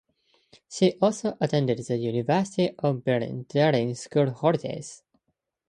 She also attended the University of Berlin during school holidays.